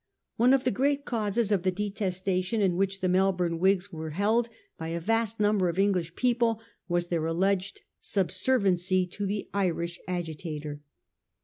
One of the great causes of the detestation in which the Melbourne Whigs were held by a vast number of English people was their alleged subserviency to the Irish agitator.